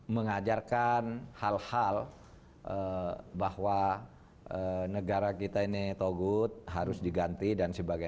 mengajarkan hal hal bahwa negara kita ini togut harus diganti dan sebagainya